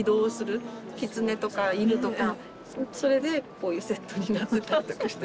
キツネとか犬とかそれでこういうセットになってたりとかして。